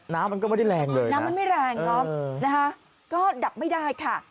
น้ำมันก็ไม่ได้แรงเลยน้ำมันไม่แรงเนอะนะคะก็ดับไม่ได้ค่ะ